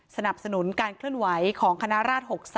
สนับสนุนการเคลื่อนไหวของคณะราช๖๓